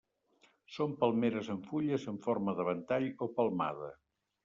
Són palmeres amb fulles en forma de ventall o palmada.